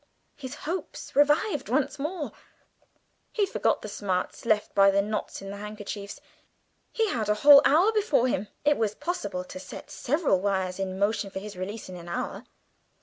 His hopes revived once more; he forgot the smarts left by the knots in the handkerchiefs, he had a whole hour before him it was possible to set several wires in motion for his release in an hour.